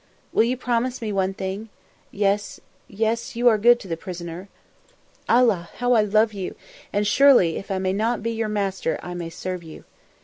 "Will you promise me one thing? Yes! you are good to the prisoner. Allah! how I love you, and surely, if I may not be your master I may serve you.